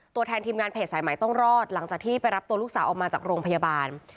ตัวแทนทีมงานเพจสายใหม่ต้องรอดหลังจากที่ไปรับตัวลูกสาวออกมาจากโรงพยาบาล